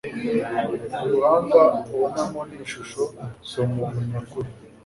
uruhanga ubonamo ni ishusho, si umuntu nyakuri